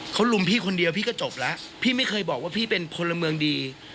เขาลุมพี่คนเดียวพี่ก็จบแล้วพี่ไม่เคยบอกว่าพี่เป็นพลเมืองดี